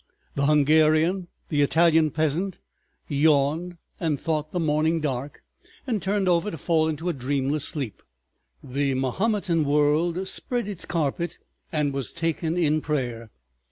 ... The Hungarian, the Italian peasant, yawned and thought the morning dark, and turned over to fall into a dreamless sleep; the Mahometan world spread its carpet and was taken in prayer.